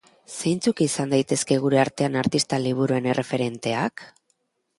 Zeintzuk izan daitezke gure artean artista liburuen erreferenteak?